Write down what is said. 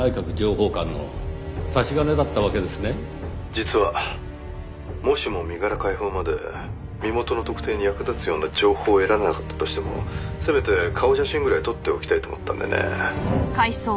「実はもしも身柄解放まで身元の特定に役立つような情報を得られなかったとしてもせめて顔写真ぐらい撮っておきたいと思ったんでね」